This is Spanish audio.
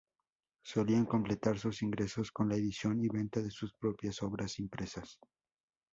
Solían completar sus ingresos con la edición y venta de sus propias obras impresas.